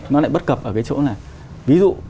nó lại bất cập ở cái chỗ là ví dụ